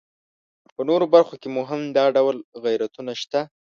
په نورو برخو کې مو هم دا ډول غیرتونه شته.